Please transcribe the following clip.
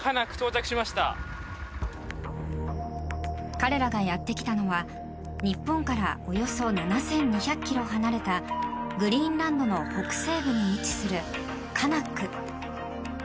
彼らがやってきたのは日本からおよそ７２００ｋｍ離れたグリーランドの北西部に位置するカナック。